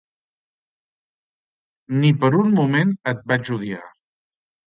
Ni per un moment et vaig odiar.